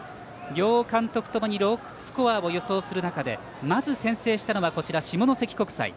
両監督ともにロースコアを予想する中でまず先制したのは下関国際。